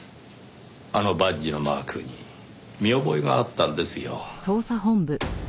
あのバッジのマークに見覚えがあったんですよ。